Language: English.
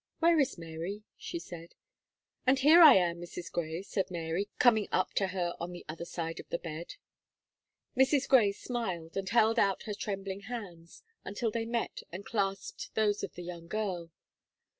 "Where is Mary?" she said. "And here I am, Mrs. Gray," said Mary, coming up to her on the other side of the bed. Mrs. Gray smiled, and stretched out her trembling hands, until they met and clasped those of the young girl.